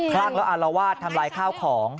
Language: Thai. ลากแล้วอารวาสทำลายข้าวของ